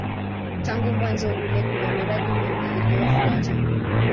Tangu mwanzo ule kuna miradi mingi iliyofuata.